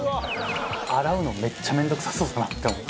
洗うのめっちゃ面倒くさそうだなって思って。